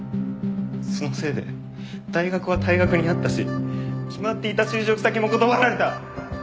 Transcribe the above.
そのせいで大学は退学になったし決まっていた就職先も断られた。